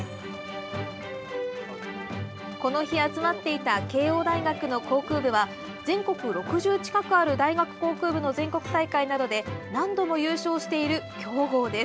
この日集まっていた慶應大学の航空部は全国６０近くある大学航空部の全国大会などで何度も優勝している強豪です。